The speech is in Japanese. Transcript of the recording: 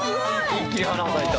一気に花咲いた。